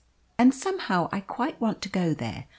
"And somehow I quite want to go there.